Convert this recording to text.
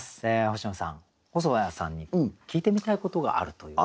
星野さん細谷さんに聞いてみたいことがあるということで。